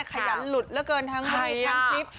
ขยันหลุดเหลือเกินทั้งไลน์ทั้งคลิป